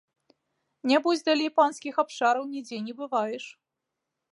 Нябось далей панскіх абшараў нідзе не бываеш.